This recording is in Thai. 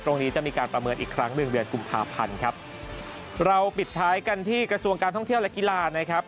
ตรงนี้จะมีการประเมินอีกครั้งหนึ่งเดือนกุมภาพันธ์ครับเราปิดท้ายกันที่กระทรวงการท่องเที่ยวและกีฬานะครับ